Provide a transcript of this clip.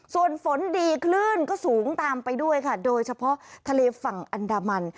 ส่วนฝนดีคลื่นก็สูงตามไปด้วยค่ะโดยเฉพาะทะเลฝั่งอันดามัน